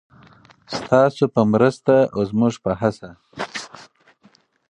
ستاسو په مرسته او زموږ په هڅه.